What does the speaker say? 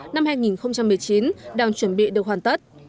năm hai nghìn một mươi chín đang chuẩn bị được hoàn tất